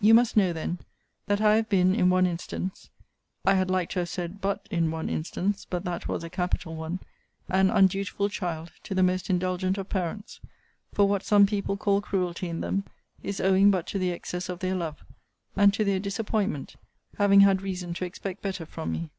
'You must know, then, that I have been, in one instance (I had like to have said but in one instance; but that was a capital one) an undutiful child to the most indulgent of parents: for what some people call cruelty in them, is owing but to the excess of their love, and to their disappointment, having had reason to expect better from me.